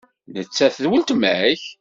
Nettat d weltma-k?